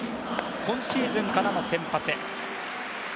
今シーズンからの先発へ。